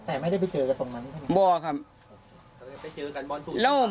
แต่ไม่ได้ไปเจอกับตรงนั้นเหรอ